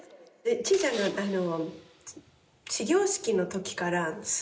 ちーちゃんがあの。